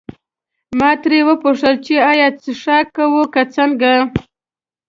ما ترې وپوښتل چې ایا څښاک کوو که څنګه.